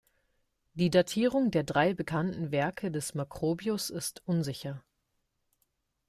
Die Datierung der drei bekannten Werke des Macrobius ist unsicher.